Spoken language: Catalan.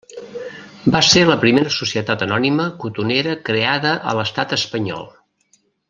Va ser la primera societat anònima cotonera creada a l'Estat Espanyol.